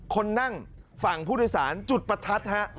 คนนั่งฝั่งผู้โดยสารจุดประทัดฮะ